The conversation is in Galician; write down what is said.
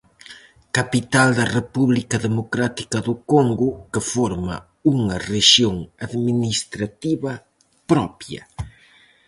Capital da República Democrática do Congo, que forma unha rexión administrativa propia.